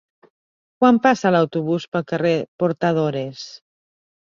Quan passa l'autobús pel carrer Portadores?